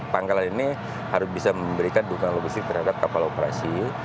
pangkalan ini harus bisa memberikan dukungan logistik terhadap kapal operasi